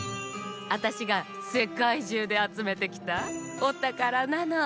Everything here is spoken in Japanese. あたしがせかいじゅうであつめてきたおたからなの。